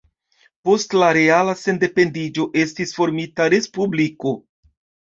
Post la reala sendependiĝo estis formita Respubliko.